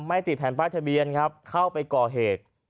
ไม่ติดแผ่นป้ายทะเบียนครับเข้าไปก่อเหตุ